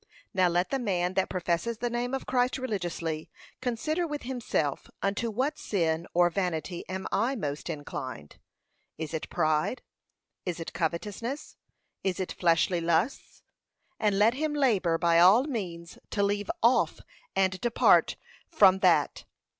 Now let the man that professes the name of Christ religiously, consider with himself, unto what sin or vanity am I most inclined; Is it pride? Is it covetousness? Is it fleshly lusts? And let him labour, by all means, to leave off and depart from that.